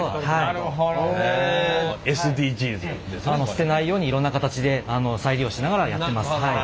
捨てないようにいろんな形で再利用しながらやってます。